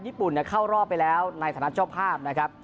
ญี่ปุ่นเข้ารอบไปแล้วในธนาชฌภาพนะครับ